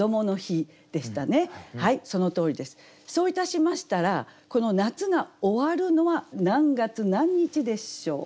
そういたしましたら夏が終わるのは何月何日でしょう？